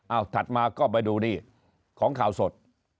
เอาถัดมาก็ไปดูดิของข่าวสด